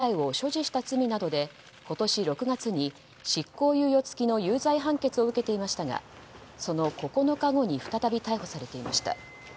田中被告は、名古屋市内で覚醒剤を所持した罪などで今年６月に執行猶予付きの有罪判決を受けていましたがその９日後に再び逮捕されていました。